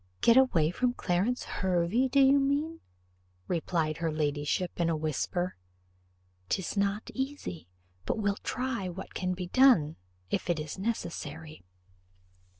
"Get away from Clarence Hervey, do you mean?" replied her ladyship, in a whisper: "'tis not easy, but we'll try what can be done, if it is necessary."